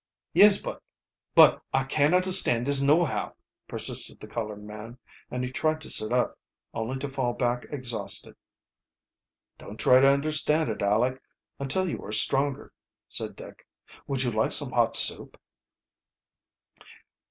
"Yes, but but I can't undersand dis nohow!" persisted the colored man, and tried to sit up, only to fall back exhausted. "Don't try to understand it, Aleck, until you are stronger," said Dick. "Would you like some hot soup?"